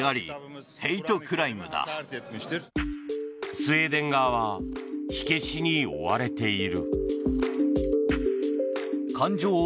スウェーデン側は火消しに追われている。